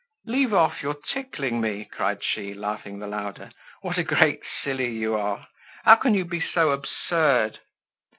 "Leave off, you're tickling me," cried she, laughing the louder. "What a great silly you are! How can you be so absurd?"